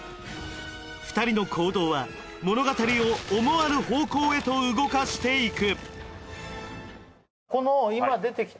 ２人の行動は物語を思わぬ方向へと動かしていく